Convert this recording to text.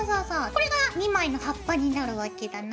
これが２枚の葉っぱになるわけだな。